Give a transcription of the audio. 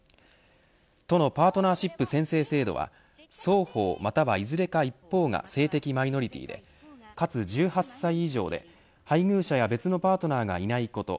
都のパートナーシップ宣誓制度は双方またはいずれか一方が性的マイノリティでかつ１８歳以上で配偶者や別のパートナーがいないこと。